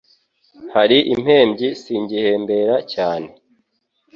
Hari impembyi singihembera cyane.